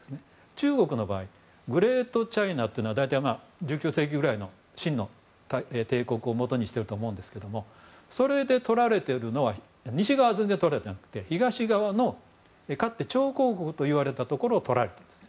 中国の場合グレートチャイナというのは大体、１９世紀ぐらいの清の帝国をもとにしていると思うんですけどもそれで取られてるのは西側は全然取られてなくてかつてチョウコウホウといわれていたところを取られています。